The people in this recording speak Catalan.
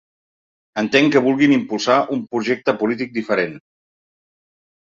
Entenc que vulguin impulsar un projecte polític diferent.